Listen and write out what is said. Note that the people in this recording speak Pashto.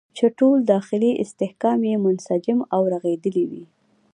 چې ټول داخلي استحکام یې منسجم او رغېدلی وي.